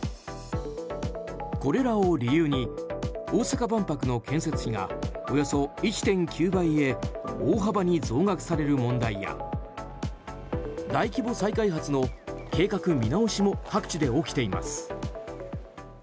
これらを理由に大阪万博の建設費がおよそ１．９倍へ大幅に増額される問題や大規模再開発の計画見直しも各地で起きています。